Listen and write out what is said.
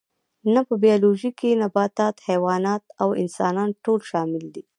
نه په بیولوژي کې نباتات حیوانات او انسانان ټول شامل دي